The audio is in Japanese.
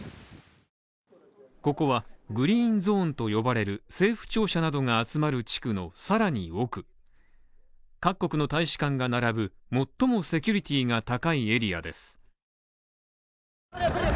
ここはグリーンゾーンと呼ばれる政府庁舎などが集まる地区のさらに奥、各国の大使館が並ぶ最もセキュリティが高いエリアです。